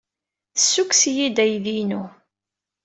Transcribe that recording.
Tessukkes-iyi-d aydi-inu.